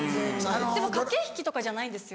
でも駆け引きとかじゃないですよ。